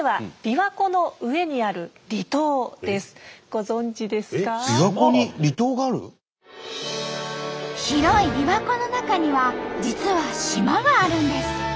びわ湖に広いびわ湖の中には実は島があるんです。